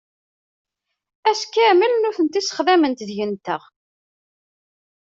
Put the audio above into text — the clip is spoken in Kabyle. Ass kamel nutenti ssexdament deg-nteɣ.